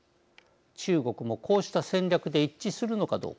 中国もこうした戦略で一致するのかどうか。